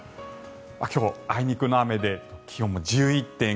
今日はあいにくの雨で気温も１１．９度。